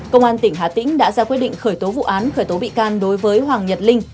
công an tỉnh hà tĩnh đã ra quyết định khởi tố vụ án khởi tố bị can đối với hoàng nhật linh